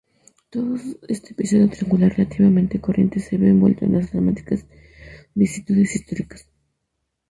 Todo este episodio triangular relativamente corriente se ve envuelto en las dramáticas vicisitudes históricas.